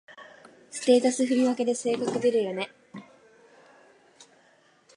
ステータス振り分けで性格出るよね